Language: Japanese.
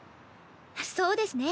そうですね。